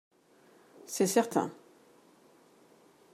C’est certain